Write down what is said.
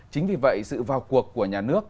chính vì vậy sự vào cuộc của nhà nước